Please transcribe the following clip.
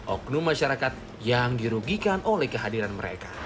oknum masyarakat yang dirugikan oleh kehadiran mereka